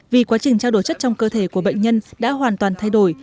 vì quá trình trao đổi chất trong cơ thể của bệnh nhân đã hoàn toàn thay đổi